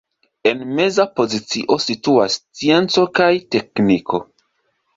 En meza pozicio situas scienco kaj tekniko.